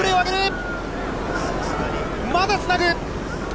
まだつなぐ。